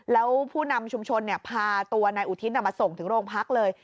แล้วผู้นำชุมชนพาตัวนายอุทิศมาส่งถึงโรงพักเลย